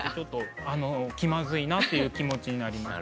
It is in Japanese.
あの気まずいなという気持ちになりました。